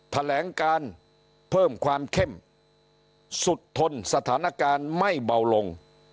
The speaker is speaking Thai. แถลงการเพิ่มความเข้มสุดทนสถานการณ์ไม่เบาลง